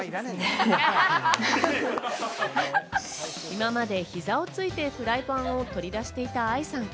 今まで膝をついてフライパンを取り出していた愛さん。